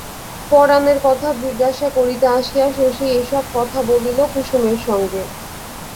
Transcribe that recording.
পরানের কথা জিজ্ঞাসা করিতে আসিয়া শশী এইসব কথা বলিল কুসুমের সঙ্গে।